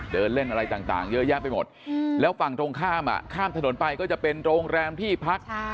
เดินเล่นอะไรต่างเยอะแยะไปหมดแล้วฝั่งตรงข้ามข้ามถนนไปก็จะเป็นโรงแรมที่พัก